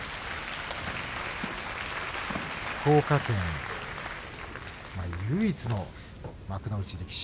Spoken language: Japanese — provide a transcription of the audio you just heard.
福岡県唯一の幕内力士